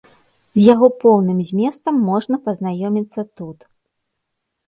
З яго поўным зместам можна пазнаёміцца тут.